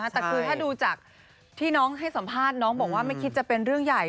แต่คือถ้าดูจากที่น้องให้สัมภาษณ์น้องบอกว่าไม่คิดจะเป็นเรื่องใหญ่